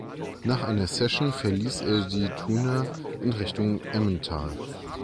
Nach einer Saison verliess er die Thuner in Richtung Emmental.